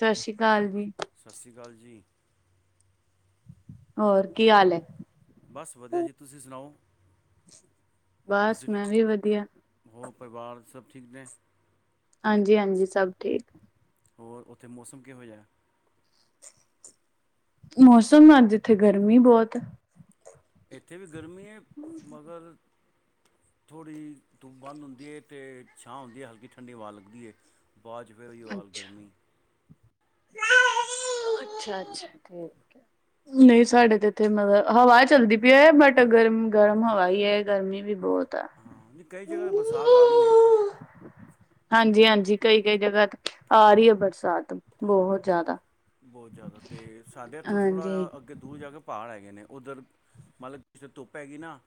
ਸਾਸ਼ੀ ਕਾਲ ਜੀ। ਸਸਰੀ ਕਾਲ ਜੀ। ਹੋਰ ਕੀ ਹਾਲ ਏ। ਬਸ ਵਧੀਆ ਜੀ ਤੁਸੀ ਸੁਣਾਓ। ਤੁਸੀਂ ਬਸ ਮੈਂ ਵੀ ਵਧੀਆ। ਹੋਰ ਪਰਵਾਰ ਸਭ ਠੀਕ ਨੇ। ਹਾਂਜੀ ਹਾਂਜੀ ਸਭ ਠੀਕ। ਹੋਰ ਓਥੇ ਮੌਸਮ ਕਿਹੋ ਜਿਆ। ਮੌਸਮ ਅੱਜ ਏਥੇ ਗਰਮੀ ਬੋਤ। ਓਥੇ ਵੀ ਗਰਮੀ ਏ, ਮਗਰ ਥੋੜ੍ਹੀ ਧੁੱਪ ਬੰਦ ਹੁੰਦੀ ਏ ਤੇ ਛਾਂ ਹੁੰਦੀ ਏ, ਹਲਕੀ ਠੰਡੀ ਹਵਾ ਲੱਗਦੀ ਹੈ ਬਾਦ 'ਚ ਫੇਰ ਓਈਓ ਹਾਲ ਅੱਛਾ, ਗਰਮੀ। [inaudible] ਅੱਛਾ ਅੱਛਾ ਠੀਕ। [inaudible] ਨਈ ਸਾਡੇ ਤੇ ਏਥੇ ਮਤਬ ਹਵਾ ਚੱਲਦੀ ਪਈ ਏ, ਬਟ ਗਰਮ ਗਰਮ ਹਵਾ ਈ ਏ, ਗਰਮੀ ਵੀ ਬੋਤ ਆ। ਹਾਂ ਨਈ ਕਈ ਜਗ੍ਹਾ ਤੇ ਬਰਸਾਤ ਆ ਰੀ ਏ। ਹਾਂਜੀ ਹਾਂਜੀ ਕਈ ਕਈ ਜਗ੍ਹਾ ਤੇ ਆ ਰੀ ਏ ਬਰਸਾਤ ਬੋਤ ਜ਼ਾਦਾ। ਬੋਤ ਜ਼ਾਦਾ ਤੇ ਸਾਡੇ ਏਥੋਂ ਥੋੜ੍ਹਾ ਅੱਗੇ ਦੂਰ ਜਾ ਕੇ ਪਾੜ ਹੈਗੇ ਨੇ, ਓਧਰ ਮੰਨਲੋ ਜਿੱਥੇ ਧੁੱਪ ਹੈਗੀ ਨਾ।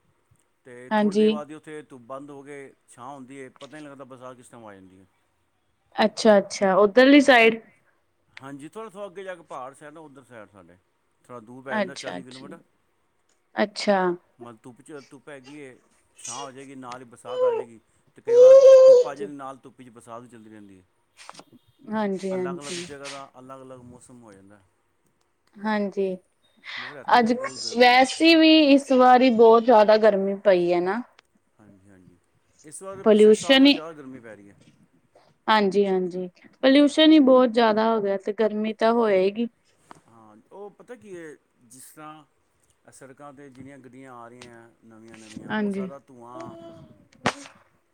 ਤੇ ਥੋੜ੍ਹੀ ਦੇਰ ਹਾਂਜੀ ਬਾਦ ਹੀ ਓਥੇ ਧੁੱਪ ਬੰਦ ਹੋ ਕੇ ਛਾਂ ਹੁੰਦੀ ਏ ਪਤਾ ਊ ਨੀ ਲੱਗਦਾ ਬਰਸਾਤ ਕਿਸ ਟਾਇਮ ਆ ਜਾਂਦੀ ਏ। ਅੱਛਾ ਅੱਛਾ ਓਧਰਲੀ ਸਾਈਡ। ਹਾਂਜੀ ਥੋੜਾ ਥੋੜਾ ਅੱਗੇ ਜਾ ਕੇ ਪਾੜ ਸੈਡ ਨਾ ਓਧਰ ਸੈਡ ਸਾਡੇ। ਥੋੜ੍ਹਾ ਦੂਰ ਪੈ ਜਾਂਦਾ ਅੱਛਾ ਚਾਲੀ ਅੱਛਾ। ਕਿਲੋਮੀਟਰ, ਅੱਛਾ ਮਲ ਧੁੱਪ 'ਚ ਧੁੱਪ ਹੈਗੀ ਏ। ਛਾਂ ਹੋ ਜੇਗੀ ਨਾਲ ਈ ਬਰਸਾਤ ਆ ਜੇਗੀ, ਤੇ ਕਈ ਵਾਰ ਧੁੱਪ ਆ ਜੇਗੀ ਨਾਲ ਧੁੱਪ ਵਿੱਚ ਬਰਸਾਤ ਵੀ ਚੱਲਦੀ ਰੈਂਦੀ ਏ, ਹਾਂਜੀ ਅਲੱਗ ਅਲੱਗ ਹਾਂਜੀ ਜਗ੍ਹਾ ਦਾ ਅਲੱਗ ਅਲੱਗ ਮੌਸਮ ਹੋ ਜਾਂਦਾ। ਹਾਂਜੀ ਮਗਰ ਇੱਥੇ ਤਾਂ -ਅੱਜ ਬਹੁਤ ਗਰਮੀ ਹੈ ਵੈਸ ਤੀ ਵੀ ਇਸ ਵਾਰੀ ਬੋਤ ਜ਼ਾਦਾ ਗਰਮੀ ਪਈ ਏ ਨਾ। ਹਾਂਜੀ ਹਾਂਜੀ ਇਸ ਵਾਰ ਪਿਛਲੇ ਸਾਲ ਪੋਲਿਊਸ਼ਨ ਨਾਲ ਜ਼ਾਦਾ ਗਰਮੀ ਪੈ ਰੀ ਏ। ਹਾਂਜੀ ਹਾਂਜੀ ਪਲੀਊਸਨ ਈ ਬੋਤ ਜ਼ਾਦਾ ਹੋ ਗਿਆ ਤੇ ਗਰਮੀ ਤਾ ਹੋਏਗੀ। ਹਾਂ ਓ ਪਤਾ ਕੀ ਏ ਜਿਸਰ੍ਹਾਂ ਆ ਸੜਕਾਂ ਤੇ ਜਿੰੰਨੀਆਂ ਗੱਡੀਆਂ ਆ ਰੀਆਂ। ਨਵੀਆਂ ਨਵੀਆਂ ਓ ਹਾਂਜੀ। ਸਾਰਾ ਧੂੰਆਂ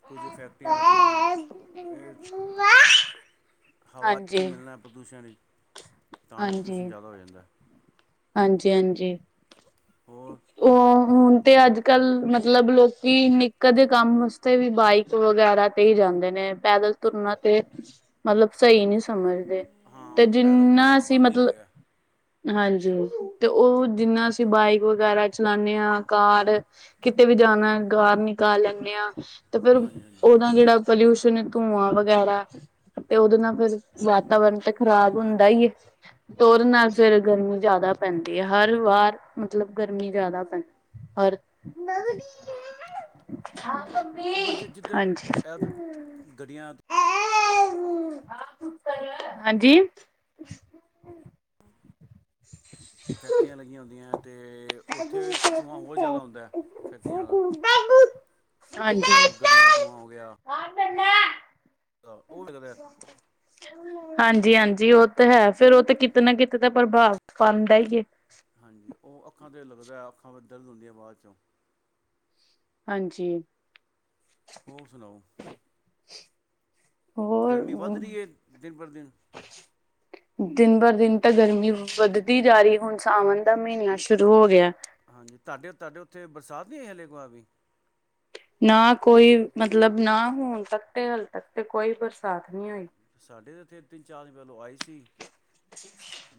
ਕੁੱਝ ਫੈਕਟਰੀਆਂ ਦਾ ਧੂੰਆਂ, ਏ ਹਵਾ 'ਚ ਹਾਂਜੀ-ਹਾਂਜੀ, ਮਿਲਣਾ ਤਾਂ ਪ੍ਰਦੂਸ਼ਣ ਈ, ਤਾਂ ਈ ਪ੍ਰਦੂਸ਼ਣ ਜ਼ਾਦਾ ਹੋ ਜਾਂਦਾ। ਹਾਂਜੀ ਹਾਂਜੀ ਹੋਰ ਓ ਹੁਣ ਤੇ ਅੱਜ ਕੱਲ ਮਤਲਬ ਲੋਕ ਕੀ ਨਿੱਕੇ ਜੇ ਕੰਮ ਵਸਤੇ ਵੀ ਬਾਈਕ ਵਗੈਰਾ ਤੇ ਈ ਜਾਂਦੇ ਨੇ, ਪੈਦਲ ਤੁਰਨਾ ਤੇ [inaudible] ਮਲਬ ਸਈ ਨੀ ਸਮਝਦੇ, ਹਾਂ ਤੇ ਪੈਦਲ ਜਿੰਨਾ ਤੁਰਨਾ ਅਸੀਂ ਬੰਦ ਹੀ ਹੋ ਮਤਲਬ ਗਿਆ ਹਾਂਜੀ ਤੇ ਓ ਜਿੰਨਾ ਅਸੀਂ ਬਾਈਕ ਵਗੈਰਾ ਚਲਾਨੇ ਆਂ, ਕਾਰ ਕਿਤੇ ਵੀ ਜਾਣਾ ਗਾਰ ਨਿਕਾਲ ਲੈਨੇ ਆਂ। ਤੇ ਫੇਰ ਹਾਂਜੀ ਹਾਂਜੀ ਓਨਾ ਜੇੜਾ ਪੋਲਿਊਸ਼ਨ ਏ ਧੂੰਆਂ ਵਗੈਰਾ ਤੇ ਓਦੇ ਨਾਲ ਫੇਰ ਵਾਤਾਵਰਨ ਤੇ ਖ਼ਰਾਬ ਹੁੰਦਾ ਹਾਂਜੀ ਈ ਏ। ਤੇ ਓਦੇ ਨਾਲ ਫੇਰ ਗਰਮੀ ਜ਼ਾਦਾ ਪੈਂਦੀ ਏ, ਹਰ ਵਾਰ ਮਤਲਬ ਗਰਮੀ ਜਾਦਾ ਪੈਂਦੀ। ਹਰ ਉਹ ਹਾਂਜੀ ਬੱਚੇ ਜਿੱਧਰ ਇਹ ਤੇ ਗੱਡੀਆਂ ਹਾਂਜੀ ਫੈਕਟਰੀਆਂ ਲੱਗੀਆਂ ਹੁੰਦੀਆ ਤੇ ਓਥੇ ਧੂੰਆਂ ਹੋਰ ਜਾਦਾ ਹੁੰਦਾ ਫੈਕਟਰੀਆਂ ਦਾ ਹੋ ਹਾਂਜੀ ਗਿਆ। ਕੋਈ ਗੱਡੀਆਂ ਧੂੰਆ ਹੋ ਗਿਆ। [unintelligible] ਉਹ ਲੱਗਦਾ ਹਾਂਜੀ-ਹਾਂਜੀ ਓ ਤੇ ਹੈ ਤੂੰ ਫੇਰ ਓ ਤੇ ਕਿਤੇ ਨਾ ਕਿਤੇ ਤਾਂ ਪ੍ਰਭਾਵ ਪਾਦਾ ਈ ਏ। ਹਾਂਜੀ ਉਹ ਅੱਖਾਂ ਤੇ ਲੱਗਦਾ ਅੱਖਾਂ ਦਰਦ ਹੁੰਦੀਆਂ ਬਾਅਦ ਚੋਂ ਹਾਂਜੀ। ਹੋਰ ਸੁਣਾਓ। ਗਰਮੀ ਵੱਧ ਹੋਰ ਰੀ ਐ ਦਿਨ ਪਰ ਦਿਨ ਦਿਨ ਬਰ ਦਿਨ ਤਾਂ ਗਰਮੀ ਵੱਧਦੀ ਜਾ ਰੀ ਹੁਣ ਸਾਵਣ ਦਾ ਮੀਨਾ ਨੀ- ਸ਼ੁਰੂ ਹੋ ਗਿਆ। ਹਾਂਜੀ ਤਾਡੇ-ਤਾਡੇ ਓਥੇ ਬਰਸਾਤ ਨੀ ਹੋਈ ਹਲੇ ਇੱਕ ਵਾਰ ਵੀ। ਨਾ ਕੋਈ ਮਤਲਬ ਨਾ ਹੁਣ ਤੱਕ ਤੇ ਹਲੇ ਤੱਕ ਤੇ ਕੋਈ ਬਰਸਾਤ ਨਈ ਹੋਈ। ਸਾਡੇ ਏਥੇ ਤਿੰਨ-ਚਾਰ ਦਿਨ ਪੈਲੋਂ ਆਈ ਸੀ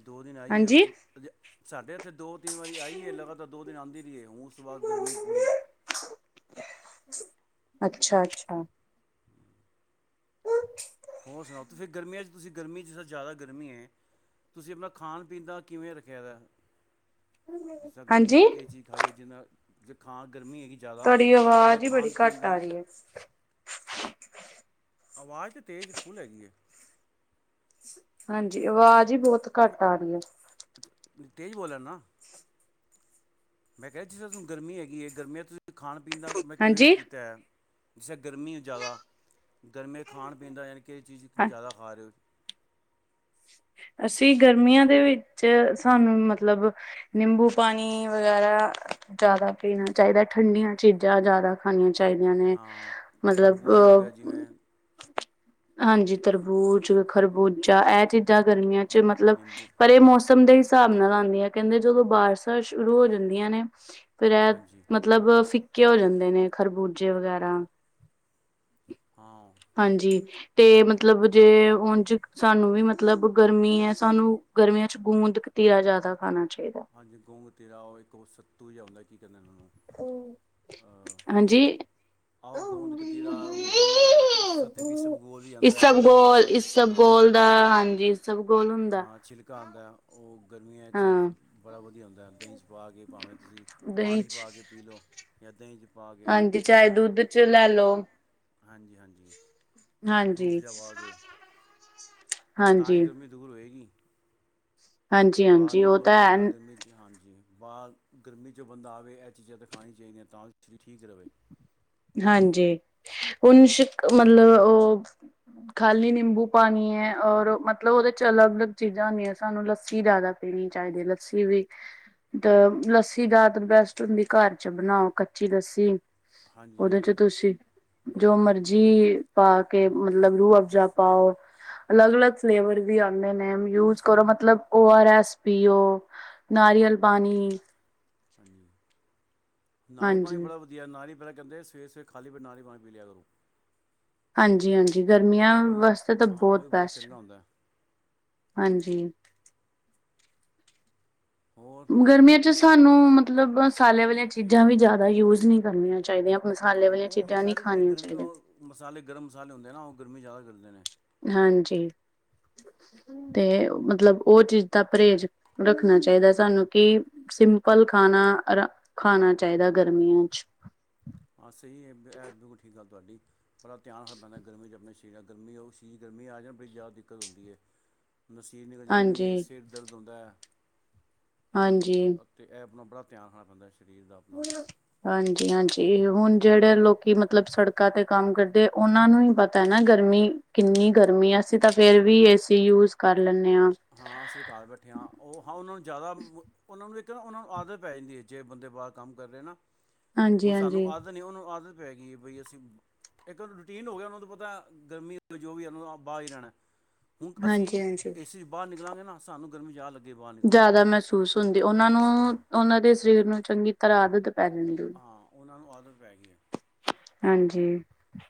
ਦੋ ਦਿਨ ਆਈ ਏ ਹਾਂਜੀ ਓ ਅਜੇ ਸਾਡੇ ਏਥੇ ਦੋ-ਤਿੰਨ ਵਾਰੀ ਆਈ ਏ ਲਗਾਤਾਰ ਦੋ ਦਿਨ ਆਦੀ ਰਈ ਏ ਹੁਣ ਓ ਤੋ ਬਾਦ ਗਰਮੀ ਪੂਰੀ ਅੱਛਾ-ਅੱਛਾ। [inaudible] ਹੋਰ ਸੁਣਾਓ ਤੁਸੀ ਗਰਮੀਆ ਚ ਤੁਸੀਂ ਗਰਮੀ ਚ ਜਿਸ ਤਰਾ ਜਾਦਾ ਗਰਮੀ ਏ। ਤੁਸੀਂ ਅਪਣਾ ਖਾਣ-ਪੀਣ ਦਾ ਕਿਵੇਂ ਰੱਖਿਆ ਦਾ ਏ। ਜਿਸ ਤਰਾ ਗਰਮੀਆਂ ਹਾਂਜੀ ਚ ਕੀ ਚੀਜ਼ ਖਾਈਏ, ਜਿਰ ਨਾਲ ਖਾ ਗਰਮੀ ਹੈਗੀ ਜਾਦਾ ਅਪਣੇ ਖਾਣ-ਪੀਣ ਦਾ ਏਸ ਆਵਾਜ਼ ਤੇ ਤੇਜ਼ ਫੁੱਲ ਹੈਗੀਏ। ਹਾਂਜੀ ਆਵਾਜ਼ ਈ ਬੋਤ ਘੱਟ ਆ ਰਈ ਐ। ਤੇਜ ਬੋਲੇ ਲੇਨਾਂ ਆ, ਮੈਂ ਕੈਆ ਜਿਸ ਤਰਾ ਹੁਣ ਗਰਮੀ ਹੈਗੀ ਗਰਮੀ ਤੁਸ ਖਾਣ-ਪੀਣ ਦਾ ਮੈਂ ਕੇ ਕਿਵੇਂ ਹਾਂਜੀ ਕੀਤਾ ਏ। ਜਿਸ ਤਰਾ ਗਰਮੀ ਏ ਜਾਦਾ, ਗਰਮੀ ਚ ਖਾਣ-ਪੀਣ ਦਾ ਜਾਨੀ ਕਿ ਕੇ ਚੀਜ਼ ਹਾਂ ਜਾਦਾ ਖਾ ਰਹੇ ਹੋ। ਅਸੀ ਗਰਮੀਆ ਦੇ ਵਿੱਚ ਸਾਨੂੰ ਮਤਲਬ ਨਿੰਬੂ ਪਾਨੀ ਵਗੈਰਾ ਜਾਦਾ ਪੀਨਾ ਚਾਈਦਾ ਠੰਡੀਆਂ ਚੀਜ਼ਾਂ ਜਾਦਾ। ਖਾਣੀਆਂ ਚਾਈਦੀਆਂ ਨੇ ਹਾਂ ਮਤਲਬ ਤਰਬੂਜ ਹੋ ਗਿਆ ਅ ਜਿਵੇਂ ਹਾਂਜੀ ਤਰਬੂਜ, ਖਰਬੂਜਾ ਐ ਚੀਜ਼ ਜਾਂ ਗਰਮੀਆਂ ਚ ਆਹ, ਮਤਲਬ ਨਿੰਬੂ ਪਰ ਏ ਮੌਸਮ ਚ ਸਾਬ ਨਾਲ ਆਦੀ ਆ ਕੈਦੇ ਜਦੋਂ ਬਾਰਸ਼ਾਂ ਸ਼ੁਰੂ ਹੋ ਜਾਂਦੀਆਂ ਨੇ ਫੇਰ ਐ ਹਾਂਜੀ ਮਤਲਬ ਫਿੱਕੇ ਹੋ ਜਾਦੇ ਨੇ ਖਰਬੂਜੇ ਵਗੈਰਾ ਹਾਂ। ਹਾਂਜੀ ਤੇ ਮਤਲਬ ਜੇ ਓਝ ਸਾਨੂੰ ਵੀ ਮਤਲਬ ਗਰਮੀ ਏ ਸਾਨੂੰ ਗਰਮੀਆਂ ਚ ਗੂੰਦ ਕਤੀਰਾ ਜਾਦਾ ਖਾਣਾ ਚਾਈਦਾ। ਹਾਂਜੀ ਗੂੰਦ ਕਤੀਰਾ ਓ ਏਕ ਸੱਤੂ ਜਿਹਾ ਹੁੰਦਾ ਕੀ ਕੈਂਦੇ ਓਨਾਂ ਨੂੰ ਹਾਂਜੀ। ਆਹ ਗੋਂਦ ਕਤੀਰਾ ਓ ਵੀ ਸਤ ਈਸਵਗੋਲ ਵੀ ਆਂਦਾ ਦਈ ਚ ਪਾ ਕੇ ਹਾਂ ਗੋਲ ਦਾ ਹਾਂਜੀ। ਈਸਬਗੋਲ ਹੂੰਦ ਹਾਂ ਛਿਲਕਾ ਆਂਦਾ ਓ ਗਰਮੀਆਂ ਚ ਹਾਂ ਬੜਾ ਵਧੀਆ ਹੁੰਦਾ ਦਈ ਚ ਪਾ ਕੇ ਭਾਵੇਂ ਤੁਸੀਂ ਪਾਨੀ ਚ ਪਾ ਕੇ ਪੀ ਲਓ ਜਾਂ ਦਈ 'ਚ ਪਾ ਕੇ ਚਾਏ ਦੁੱਧ ਚ ਲੈ ਲੋ। ਹਾਂਜੀ-ਹਾਂਜੀ ਰੂ ਹਾਂਜੀ ਅਫ਼ਜ਼ਾ ਪਾ ਕੇ। ਆ ਤਾਂ ਹੀ ਹਾਂਜੀ ਗਰਮੀ ਦੂਰ ਹੋਏਗੀ। ਬਾਰ ਹਾਂਜੀ-ਹਾਂਜੀ ਉਹ ਨਿਕਲੋ ਤਾਂ ਬੰਦਾ ਹੈ ਗਰਮੀ ਚ ਹਾਂਜੀ। ਬਾਰ ਗਰਮੀ ਚੋ ਬੰਦਾ ਆਵੇ ਐ ਚੀਜ਼ਾਂ ਤੇ ਖਾਣੀ ਚਾਹੀਦੀਆਂ ਤਾ [inaudible] ਸਰੀਰ ਠੀਕ ਰਵੇ। ਹਾਂਜੀ ਹੂਨ ਸ਼ਕ ਮਤਲਬ ਓ ਖ਼ਾਲੀ ਨਿੰਬੂ ਪਾਨੀ ਏ ਔਰ ਮਤਲਬ ਉਦੇ ਚ ਅਲੱਗ-ਅਲੱਗ ਚੀਜ਼ਾਂ ਹੁੰਦੀਆਂ ਸਾਨੂੰ ਲੱਸੀ ਜਾਦਾ ਪੀਣੀ ਚਾਹੀਦੀ ਏ ਲੱਸੀ ਵੀ ਲੱਸੀ ਜਾਦਾਤਰ ਬੈਸਟ ਹੁੰਦੀ ਘਰ ਚ ਬਣਾਓ ਕੱਚੀ ਲੱਸੀ। ਹਾਂਜੀ ਉਦੇ ਚ ਹਾਂਜੀ ਤੁਸੀਂ ਜੋ ਮਰਜ਼ੀ ਪਾ ਕੇ ਮਤਲਬ ਰੂਹ ਅਫ਼ਜ਼ਾ ਪਾਓ ਅਲੱਗ-ਅਲੱਗ ਫਲੇਵਰ ਵੀ ਆਦੇ ਨੇ ਯੂਜ ਕਰੋ ਮਤਲਬ ਓ ਆਰ ਐਸ ਪੀਓ। ਨਾਰੀਅਲ ਪਾਨੀ। ਹਾਂਜੀ, ਨਾਰੀਅਲ ਪਾਨੀ ਬੜਾ ਵ ਜੀ ਹਾ ਨਾਰੀਅਲ ਪਾ ਕੇੰਦੇ ਸਵੇ ਸਵੇਰੇ ਖਾਲੀ ਪੇ ਨਾਰੀਅਲ ਪਾਨੀ ਪੀ ਲਿਆ ਕਰੋ। ਹਾਂਜੀ-ਹਾਂਜੀ ਗਰਮੀਆਂ ਉਹ ਵੀ ਵਾਸਤੇ ਤਾਂ ਹਾਂ ਉਹ ਬੋਤ ਵੀ ਬੜਾ ਬੈਸਟ ਚੰਗਾ ਹੁੰਦਾ ਹਾਂਜੀ। ਹੋਰ? ਗਰਮੀਆਂ ਚ ਸਾਨੂੰ ਮਤਲਬ ਸਾਲੇ ਵਾਲੀਆਂ ਚੀਜ਼ਾਂ ਵੀ ਜਾਦਾ ਯੂਜ਼ ਨੀ ਕਰਨੀਆ ਚੇਈਦੀਆ। ਮਸਾਲੇ ਹਾਂ ਵਾਲੀਆਂ ਉਹ ਚੀਜ਼ਾਂ ਨੀ ਮਸਾਲੇ ਜਿਵੇਂ ਖਾਣੀਆਂ ਗਰਮੀ ਚਾਈਦੀਆ। ਉਹ ਮਸਾਲੇ ਗਰਮ ਮਸਾਲੇ ਹੁੰਦੇ ਨਾ ਓ ਗਰਮੀ ਜਾਦਾ ਕਰਦੇ ਨੇ। ਹਾਂਜੀ। ਤੇ ਮਤਲਬ ਉਹ ਚੀਜ਼ ਦਾ ਪਰੇਜ਼ ਰੱਖਣਾ ਚਾਹੀਦਾ ਸਾਨੂੰ ਕਿ ਸਿੰਪਲ ਖਾਣਾ ਅਰਾ ਖਾਨਾ ਚਾਈਦਾ ਗਰਮੀਆਂ ਚ। ਹਾਂ ਸਈ ਏ ਐ ਬਿਲਕੁਲ ਠੀਕ ਗੱਲ ਤੁਹਾਡੀ। ਪਨਾ ਧਿਆਨ ਰੱਖਣਾ ਪੈਂਦਾ ਗਰਮੀ ਚ ਆਪਣੇ ਸ਼ਰੀਰ ਗਰਮੀ ਆਓ ਸ਼ਰੀਰ ਗਰਮੀ ਆ ਜੇ ਨਾ ਬੜੀ ਜਾਦਾ ਦਿੱਕਤ ਹੁੰਦੀ ਐ। ਨਸੀਰ ਨਿਕਲ ਜਾਂਦੀ ਐ ਹਾਂਜੀ ਸਿਰ ਦਰਦ ਹੁੰਦਾ। ਹਾਂਜੀ ਅਤੇ ਐ ਆਪਣਾ ਬੜਾ ਧਿਆਨ ਰੱਖਣਾ ਪੈਂਦਾ ਸ਼ਰੀਰ ਦਾ ਅਪਨਾ। ਹਾਂਜੀ-ਹਾਂਜੀ ਹੁਣ ਜੇੜੇ ਲੋਕੀ ਮਤਲਬ ਸੜਕਾਂ ਤੇ ਕੰਮ ਕਰਦੇ ਉਨਾਂ ਨੂੰ ਈ ਪਤਾ ਨਾ ਗਰਮੀ, ਕਿੰਨੀ ਗਰਮੀ ਅਸੀਂ ਤਾਂ ਫੇਰ ਵੀ ਏ ਸੀ ਯੂਜ ਕਰ ਲੈਨੇ ਆ। ਹਾਂ ਅਸੀਂ ਤੇ ਘਰ ਬੈਠੇ ਆ ਉਹ ਹਾਂ ਉਨਾਂ ਨੂੰ ਜਾਦਾ ਉਨਾਂ ਨੂੰ ਇੱਕ ਤੇ ਉਨਾਂ ਨੂੰ ਆਦਤ ਪੈ ਜਾਂਦੀ ਏ ਜੇ ਬੰਦੇ ਬਾਰ ਕੰਮ ਰੇ ਨਾ ਹਾਂਜੀ ਹੁਣ ਸਾਨੂੰ ਹਾਂਜੀ ਆਦ ਤਾ ਨੀ ਉਨੂੰ ਆਦਤ ਪੈ ਗਈ ਏ ਬਈ ਅਸੀਂ ਇੱਕ ਉਹ ਰੂਟੀਨ ਹੋ ਗਿਆ ਉਹਨਾਂ ਨੂੰ ਪਤਾ ਗਰਮੀ ਏ ਜੋ ਵੀ ਉਨਾਂ ਨੇ ਆ ਬਾਰ ਈ ਰੈਣਾ। ਹੁਣ ਹਾਂਜੀ ਅਸੀਂ ਹਾਂਜੀ ਏ ਸੀ ਚ ਬਾਰ ਨਿਕਲਾਂਗੇ ਨਾ ਸਾਨੂੰ ਗਰਮੀ ਜਾ ਲੱ ਜਾਦਾ ਮਹਿਸੂਸ ਹੁੰਦੀ ਉਨਾਂ ਨੂੰ ਹਾਂ ਉਨਾਂ ਦੇ ਸ਼ਰੀਰ ਨੂੰ ਚੰਗੀ ਤਰ੍ਹਾਂ ਆਦਤ ਪੈ ਜਾਂਦੀ। ਹਾਂ ਉਨਾਂ ਨੂੰ ਆਦਤ ਪੈ ਗਈ ਐ। ਹਾਂਜੀ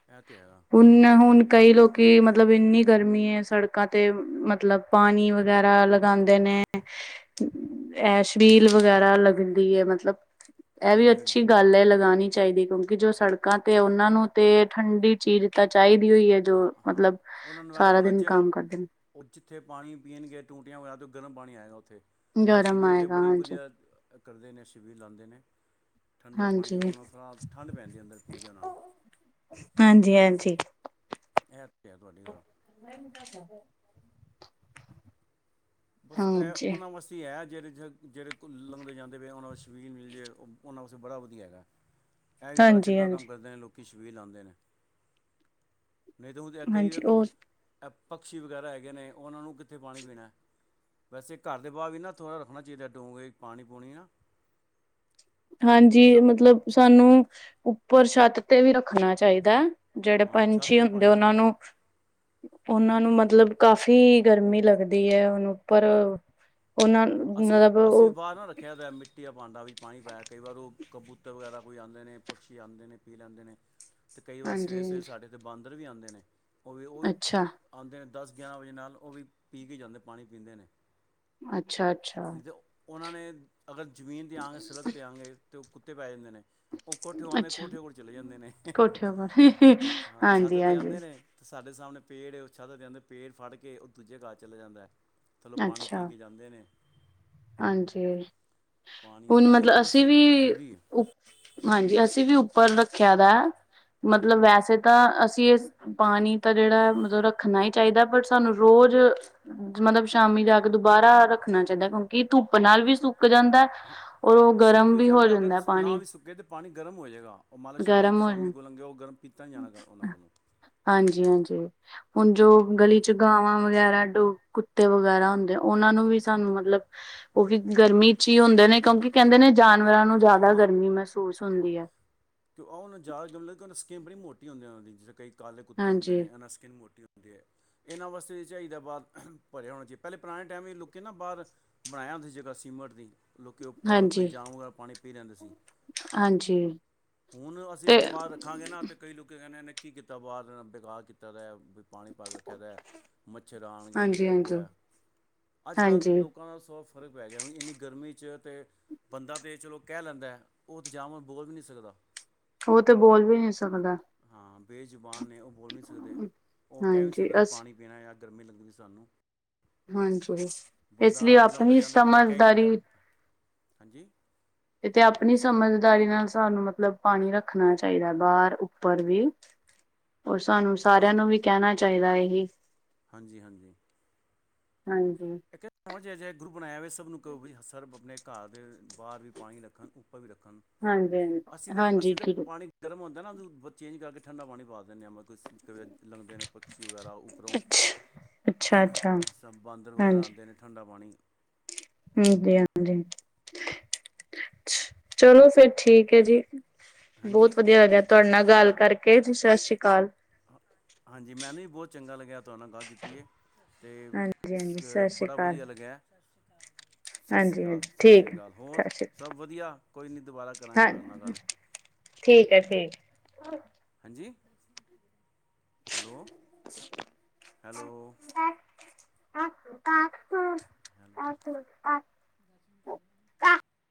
ਐ ਤੇ ਹੈਗਾ। ਹੁਣ-ਹੁਣ ਕਈ ਲੋਕੀ ਮਤਲਬ ਇੰਨੀ ਗਰਮੀ ਏ ਸੜਕਾਂ ਤੇ ਮਤਲਬ ਪਾਨੀ ਵਗੈਰਾ ਲਗਾਂਦੇ ਨੇ। ਐ ਸ਼ਬੀਲ ਵਗੈਰਾ ਲੱਗਦੀ ਏ ਮਤਲਬ। ਐ ਵੀ ਹਾਂਜੀ ਅੱਛੀ ਹਾਂਜੀ ਗੱਲ ਏ ਲਗਾਣੀ ਚਾਹੀਦੀ ਕਿਉਂਕਿ ਜੋ ਸੜਕ ਕਾ ਤੇ ਓਨਾਂ ਨੂੰ ਤੇ ਠੰਡੀ ਚੀਜ਼ ਤਾਂ ਚਾਈਦੀ ਈ ਓ ਏ। ਜੋ ਹਾਂ ਮਤਲਬ ਉਹਨਾਂ ਨੂੰ ਨਾਲੇ ਸਾਰਾ ਉਹਨਾਂ ਦਿਨ ਜਿਹੜਾ ਕੰਮ ਕਰਦੇ ਨੇ। ਉਹ ਜਿੱਥੇ ਪਾਨੀ ਪੀਣਗੇ ਟੂਟਿਆ ਵਗੇਰਾ ਤੇ ਗਰਮ ਪਾਨੀ ਆਏਗਾ ਉੱਥੇ ਐ ਗਰਮ ਸ਼ਬੀਲ ਤੇ ਆਏਗਾ ਬੜੀ ਹਾਂਜੀ ਵਧੀਆ ਕਰਦੇ ਨੇ ਸ਼ਬੀਲ ਲਾਂਦੇ ਨੇ ਠੰਡਾ ਪਾਣੀ ਹਾਂਜੀ ਓਨਾ ਨੂੰ ਥੋੜਾ ਠੰਡ ਪੈਂਦੀਏ ਅੰਦਰ ਪੀ ਕੇ ਓਨਾ ਨੂੰ। ਹਾਂਜੀ ਹਾਂਜੀ। ਐ ਤੇ ਹੈ ਤੁਆਡੀ ਗੱਲ। [unintelligible] ਬਸ ਐ ਹਾਂਜੀ ਓਨਾ ਵਾਸਤੇ ਈ ਐ ਜੇੜੇ ਜੇੜ ਜੇੜੇ ਕੁ ਲੰਘਦੇ ਜਾਂਦ ਫਿਰ ਓਨਾ ਸ਼ਬੀਲ‌ ਮਿਲ ਜੇ ਓਨਾ ਵਾਸਤੇ ਬੜਾ ਵਧੀਆ ਹੈਗਾ ਐ ਵੀ ਬੜਾ ਹਾਂਜੀ ਚੰਗਾ ਹਾਂਜੀ ਕੰਮ ਕਰਦੇ ਨੇ ਲੋਕ। ਕਿ ਸ਼ਬੀਲ ਲਾਂਦੇ ਨੇ ਨਈ ਤਾ ਹੁਨ ਕਈ ਹਾਂਜੀ ਵੇਖੋ ਉਹ ਐ ਪਕਸ਼ੀ ਵਗੈਰਾ ਹੈਗੇ ਨੇ ਓਨਾ ਨੂੰ ਕਿੱਥੇ ਪਾਣੀ ਪੀਣਾ। ਵੈਸੇ ਘਰ ਦੇ ਬਾਰ ਵੀ ਨਾ ਥੋੜਾ ਰੱਖਨਾ ਚਾਈਦਾ ਡੋਗੇ ਚ ਪਾਣੀ ਪੂਣੀ ਨਾ। ਜਿਸ ਹਾਂਜੀ ਤਰ੍ਹਾਂ ਮਤਲਬ ਸਾਨੂੰ ਉਪਰ ਛੱਤ ਤੇ ਵੀ ਰੱਖਨਾ ਚਾਈਦਾ‌‌ ਐ। ਜੇੜੇ ਹਾਂ ਛੱਤ ਪੰਛੀ ਤੇ ਹੁੰਦੇ ਪਾਣੀ ਓਨਾ ਰੱਖਣਾ ਨੂੰ ਓਨਾ ਨੂੰ ਮਤਲਬ ਕਾਫ਼ੀ ਗਰਮੀ ਲੱਗਦੀ ਐ ਹੁਨ ਉੱਪਰ। ਉਹਨਾਂ ਅਸੀ ਮਤਲਬ ਅਸੀ ਉਹ ਬਾਰ ਨਾ ਰੱਖਆ ਦਾ ਐ ਮਿੱਟ ਮਿੱਟੀ ਦਾ ਭਾਂਡਾ ਵਿੱਚ ਪਾਨੀ ਪਾਆ ਕਈ ਵਾਰ ਓ ਕਬੂਤਰ ਵਗੈਰਾ ਕੋਈ ਆਂਦੇ ਨੇ ਪਕਸ਼ੀ ਆਂਦੇ ਨੇ ਪੀ ਲੈਂਦੇ ਨੇ। ਤੇ ਕਈ ਵਾਰ ਹਾਂਜੀ ਸਵੇਰੇ ਸਵੇਰੇ ਹਾਂਜੀ, ਸਾਡੇ‌ ਤੇ ਬਾਂਦਰ ਵੀ ਆਂਦੇ ਨੇ ਓ ਵੀ ਓ ਅੱਛਾ ਆਂਦੇ ਨੇ ਦਸ ਗਿਆਰਾ ਵਜੇ ਨਾਲ ਓ ਵੀ ਪੀ ਕੇ ਜਾਂਦੇ ਪਾਣੀ ਪੀਂਦੇ ਨੇ। ਅੱਛਾ ਅੱਛਾ। ਨੀ ਤੇ ਓਨਾ ਨੇ ਅਗਰ ਜ਼ਮੀਨ ਦਿਆਂਗੇ ਸੜਕ ਦਿਆਂਗੇ ਤੇ ਓ ਕੁੱਤੇ ਪੈ ਜਂਦੇ ਨੇ। ਓ ਕੋਠਯੋ ਆਂਦੇ ਨੇ ਅੱਛਾ ਕੋਠਿਯੋ ਕੋਲ ਚੱਲੇ ਜਾਂਦੇ ਨੇ ਕੋਠੇ ਉੱਪਰ ਹਾਂ ਛੱਤ ਹਾਂਜੀ ਤੇ ਹਾਂਜੀ ਆਂਦੇ ਨੇ। ਤੇ ਸਾਡੇ ਸਾਮਨੇ ਪੇੜ ਏ ਓ ਛਧ ਦੇ ਆਂਦਾ ਪੇੜ ਫੜ ਕੇ ਓ ਦੂਜੇ ਘਰ ਚਲੇ ਜਾਂਦਾ ਐ। ਥੱਲੋ ਪਾਣੀ ਪੀ ਅੱਛਾ ਕੇ ਜਾਂਦੇ ਨੇ। ਹਾਂਜੀ ਪਾਣੀ ਹੁਨ ਇਹ ਇਹਨਾਂ ਮਤਲਬ ਅਸੀ ਵਾਸਤੇ ਵੀ ਜ਼ਰੂਰੀ ਹੈ ਉ ਹਾਂਜੀ ਅਸੀ ਵੀ ਉੱਪਰ ਰੱਖਿਆ ਦਾ ਐ ਮਤਲਬ ਹੂੰ ਵੈਸੇ ਤਾ ਅਸੀ ਇਸ ਪਾਨੀ ਤਾ ਜੇੜਾ ਮਤਲਬ ਰੱਖਨਾ ਈ ਚਾਯੀਦਾ ਐ ਬਟ ਸਾਨੂੰ ਰੋਜ ਮਤਲਬ ਸ਼ਾਮੀ ਜਾ ਕੇ ਦੁਬਾਰਾ ਰੱਖਨਾ ਚਾਯੀਦਾ ਕਉਂਕਿ ਧੁੱਪ ਨਾਲ ਵੀ ਸੁੱਕ ਜਾਂਦਾ ਐ। ਸੁੱਕ ਵੀ ਜਾਨਦਾ ਅਗਰ ਨਾ ਵੀ ਸੁੱਕੇ ਤਾ ਪਾਨੀ ਗਰਮ ਹੋ ਜੇ ਗਾ ਓ ਮਤਲਬ ਸ਼ ਗਰਮ ਹੋ ਸ਼ਾਮੀ ਜਾਂਦਾ ਕੋ ਲੱਗੇ ਓ ਗਰਮ ਪੀਤਾ ਨੀ ਜਾਣਾ ਓਨਾ ਕੋਲੋ। ਹਾਂਜੀ ਹਾਂਜੀ। ਹੁਨ ਜੋ ਗਲੀ ਚ ਗਾਵਾਂ ਵਗੈਰਾ ਡੋਗ ਕੁੱਤੇ ਵਗੈਰਾ ਹੁੰਦੇ ਓਨਾ ਨੂੰ ਵੀ ਸਾਨੂੰ ਮਤਲਬ ਓ ਵੀ ਗਰਮੀ ਚ ਈ ਹੁੰਦੇ ਨੇ ਕਉਂਕਿ ਕੇਂਦੇ ਨੇ ਜਾਨਵਰਾ ਨੂੰ ਜਾਂਦਾ ਗਰਮੀ ਮੇਸੂਸ ਹੁੰਦੀ ਐ। ਕਿ ਓਨਾ ਜਾਂਦਾ ਕਿ ਓ ਸਕਿਨ ਬੜੀ ਮੋਟੀ ਹੁੰਦੀ ਓਨਾ ਦੀ ਜੀ ਕਈ ਕਾਲੇ ਕੁੱਤੇ ਹੁਨਦੇ ਹਾਂਜੀ ਨੇ ਓਨਾਂ ਸਕਿਨ ਮੋਟੀ ਹੁੰਦ ਐਨਾ ਵਾਸਤੇ ਵੀ ਚਾਈਦਾ ਬਾਰ ਭਰੇਆ ਹੋਣਾ ਚਾਈ ਪੈਲੇ ਪੁਰਾਣੇ ਟਾਈਮ ਦੇ ਲੋਕੀ ਨਾ ਬਾਰ ਬਣਾਏਆ ਹੁੰਦਾ ਸੀ ਜਗਾ ਸੀਮਟ ਦੀ ਲੋਕੀ ਓ ਕੋਈ ਹਾਂਜੀ ਜਾਨੋਵਰ ਆ ਪਾਣੀ ਜਾਂਦੇ ਸੀ। ਹਾਂਜੀ ਹੁਨ ਅਸੀ ਤੇ ਇੱਕ ਬਾਰ ਰੱਖਾਂਗੇ ਨਾ ਤੇ ਕਈ ਲੋਕਿ ਕੈਂਨੇ ਐਨੇ ਕੀ ਕੀਤਾ ਬਾਰ ਬੇਕਾਰ ਕੀਤਾ ਦਾ ਐ ਪਾਣੀ ਪਾ ਕੇ ਰੱਖਆ‌ ਦਾ ਐ ਮੱਛਰ ਆਣਗੇ ਯੇ ਹਾਂਜੀ ਏ ਵੋ ਹਾਂਜੀ ਏ। ਅੱਜ ਕੱਲ ਦੇ ਹਾਂਜੀ ਲੋਕਾ ਦਾ ਸਭ ਫ਼ਰਕ ਪੈ ਗਿਆ ਐ ਹੁਨ ਇੰਨੀ ਗਰਮੀ ਤੇ ਬੰਦਾ ਤੇ ਚਲੋ ਕੇ ਲੈਂਦਾ ਓ ਤੇ ਜਾਮਾ ਬੋਲ ਵੀ ਨੀ ਸਕਦਾ। ਓ ਤੇ ਬੋਲ ਵੀ ਨੀ ਸਕਦਾ। ਹਾਂ ਬੇ ਜੁਬਾਨ ਨੇ ਓ ਬੋਲ ਨੀ ਸਕਦੇ ਓ ਕੇ ਨੀ ਹਾਂਜੀ ਸਕਦੇ ਅਸ ਪਾਣੀ ਪੀਣਾ ਯਾ ਗਰਮੀ ਲੱਗਦੀ ਪਈ ਸਾਨੂੰ। ਹਾਂਜੀ ਇਸ ਲਈ ਬੰਦਾ ਲਾਂਦੇ ਆਪਣੀ ਜਾਂਦੇ ਬੰਦਾ ਕੇ ਈ ਦਿੰਦਾ। ਸਮਝਦਾਰੀ ਹਾਂਜੀ? ਐ ਤੇ ਅਪਨੀ ਸਮਝਦਾਰੀ ਨਾਲ ਸਾਨੂੰ ਮਤਲਬ ਪਾਨੀ ਰੱਖਨਾ ਚਾਯੀਦਾ ਬਾਰ ਉੱਪਰ ਵੀ ਓਰ ਸਾਨੂੰ ਸਾਰਆ ਨੂੰ ਵੀ ਕੇਨਾ ਚਾਹੀਦਾ ਐਹੀ। ਹਾਂਜੀ-ਹਾਂਜੀ। ਹਾਂਜੀ। ਫੋਨ ਚ ਅਜੇ ਗਰੁੱਪ ਬਣਾਯਾ ਵੇ ਸਭ ਨੂੰ ਕਹੋ ਵੀ ਸਰਭ ਅਪਨੇ ਘਰ ਦੇ ਬਾਹਰ ਵੀ ਪਾਣੀ ਰੱਖਣ ਉੱਪਰ ਵੀ ਰੱਖਣ। ਹਾਂਜੀ ਹਾਂਜੀ ਅਸੀਂ ਤੇ ਅਸੀਂ ਹਾਂਜੀ ਤੇ ਠੀਕ ਪਾਣੀ ਗਰਮ ਹੁੰਦੈ ਨਾ, ਚੇਂਜ ਕਰਕੇ ਠੰਡਾ ਪਾਣੀ ਪਾ ਦਿੰਨੇ ਆ ਮ ਕੁਛ। ਲੰਗਦੇ ਨੇ ਪਕਸੀ ਵਗੈਰਾ ਓਪਰੋ ਅੱਛਾ ਅੱਛਾ ਅੱਛਾ ਸਭ ਬਾਂਦਰ ਵਗੈਰਾ ਆਂਦੇ। ਤੇਨੇ ਠੰਡਾ ਪਾਣੀ ਹਾਂਜੀ-ਹਾਂਜੀ ਚਲੋ, ਫੇਰ ਠੀਕ ਐਜੀ। ਹਾਂਜੀ ਬਹੁਤ ਵਧੀਆ ਲੱਗੇਯਾ ਤੁਆਡੇ ਨਾਲ ਗੱਲ ਕਰਕੇ ਜੀ, ਸ਼ਸ਼ ਸ਼ੀ ਕਾਲ। ਹ ਹਾਂਜੀ ਮੈਨੂੰ ਵੀ ਬੋਤ ਚੰਗਾ ਲੱਗਿਆ ਤੁਆਨ ਨਾਲ ਗੱਲ ਕੀਤੀ ਏ। ਤੇ ਹਾਂਜੀ ਹਾਂਜੀ ਸਤਿ ਸ੍ਰੀ ਬੜਾ ਅਕਾਲ ਵਦੀਆ ਲੱਗੇਆ। ਸਸ ਸ੍ਰੀ ਹਾਂਜੀ ਕਾਲ, ਹਾਂਜੀ ਸਸ ਸ੍ਰੀ ਠੀਕ ਕਾਲ ਹੋਰ ਹੈ ਸਤਿ ਸ਼੍ਰੀ ਸਭ ਵਧੀਆ, ਕੋਈ ਨੀ ਦੁਬਾਰਾ ਕਰਾਂਗੇ ਅਕਾਲ ਤੁਆਡੇ ਹਾਂ ਨਾਲ ਗੱਲ। ਠੀਕ ਐ ਠੀਕ। ਹਾਂਜੀ, ਹੈਲੋ। Hello [inaudible] hello. [inaudible]